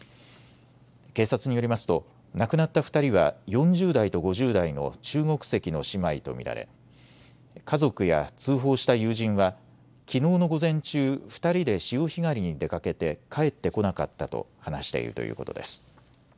警察によりますと亡くなった２人は４０代と５０代の中国籍の姉妹と見られ家族や通報した友人はきのうの午前中、２人で潮干狩りに出かけて帰ってこなかったと話しているということです。